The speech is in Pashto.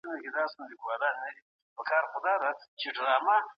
هيڅوک نسي کولای د بل حق وخوري.